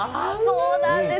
そうなんです。